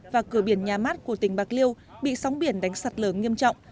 và cửa biển nhà mát của tỉnh bạc liêu bị sóng biển đánh sạt lở nghiêm trọng